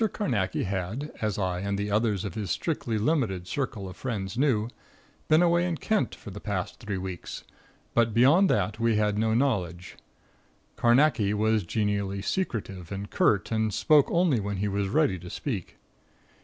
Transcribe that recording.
Carnacki had, as I and the others of his strictly limited circle of friends knew, been away in Kent for the past three weeks; but beyond that, we had no knowledge. Carnacki was genially secretive and curt, and spoke only when he was ready to speak.